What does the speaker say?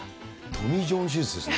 トミー・ジョン手術ですね。